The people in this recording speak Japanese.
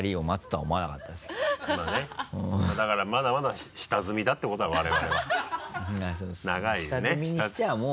だからまだまだ下積みだってことだ我々は。